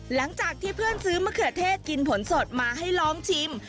หลังจากที่เพื่อนซื้อมะเขือเทศกินผลสดมาให้ลองชิม